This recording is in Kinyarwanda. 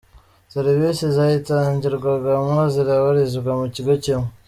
serivisi zayitangirwagamo zirabarizwa mu kigo kimwe.